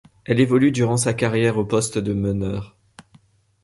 Elle évolue durant sa carrière au poste de meneur.